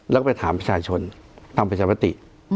แล้วก็ไปถามประชาชนตามประชามติ